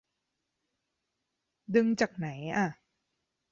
ดึงจากไหนอ่ะ